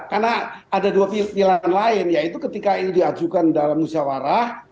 karena ada dua pilihan lain yaitu ketika ini diajukan dalam musyawarah